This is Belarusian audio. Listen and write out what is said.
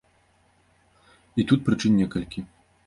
І тут прычын некалькі.